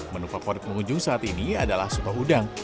menu favorit pengunjung saat ini adalah soto udang